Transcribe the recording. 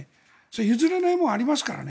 譲れないものがありますからね。